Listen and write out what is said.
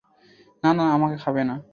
না, না, আমাকে খাবে না।